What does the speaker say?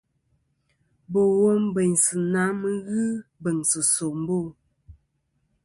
Bò wom bèynsɨ na mɨ n-ghɨ bèŋsɨ̀ nsòmbo.